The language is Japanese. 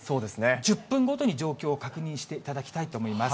１０分ごとに状況を確認していただきたいと思います。